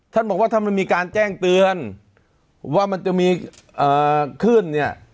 ท่านบอกว่าถ้ามันมีการแจ้งเตือนว่ามันจะมีขึ้นเนี่ย